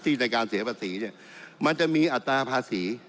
ในการเสียภาษีเนี่ยมันจะมีอัตราภาษี